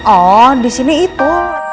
oh disini itu